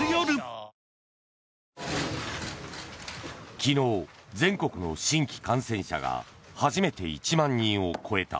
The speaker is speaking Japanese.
昨日、全国の新規感染者が初めて１万人を超えた。